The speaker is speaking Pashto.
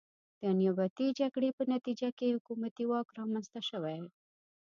د نیابتي جګړې په نتیجه کې حکومتي واک رامنځته شوی.